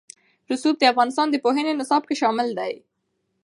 رسوب د افغانستان د پوهنې نصاب کې شامل دي.